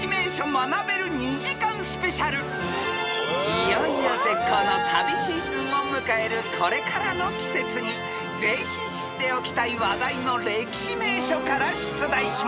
［いよいよ絶好の旅シーズンを迎えるこれからの季節にぜひ知っておきたい話題の歴史名所から出題します］